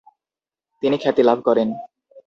তিনি খ্যাতি লাভ করেন।